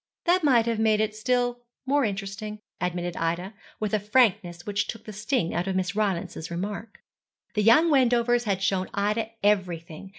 'That might have made it still more interesting,' admitted Ida, with a frankness which took the sting out of Miss Rylance's remark. The young Wendovers had shown Ida everything.